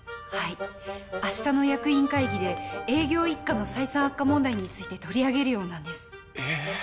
はい明日の役員会議で営業一課の採算悪化問題について取り上げるようなんですえっ？